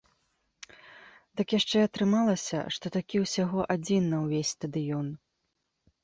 Дык яшчэ і атрымалася, што такі ўсяго адзін на ўвесь стадыён!